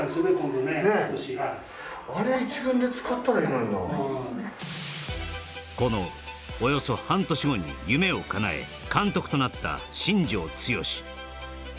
今年このおよそ半年後に夢を叶え監督となった新庄剛志